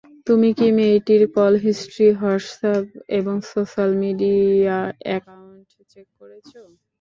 তুমি কি মেয়েটির কল হিস্ট্রি, হোয়াটসঅ্যাপ এবং সোশ্যাল মিডিয়া অ্যাকাউন্ট চেক করেছ?